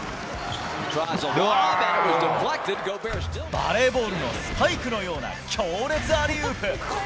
バレーボールのスパイクのような強烈アリウープ。